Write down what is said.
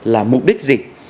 là mục đích gì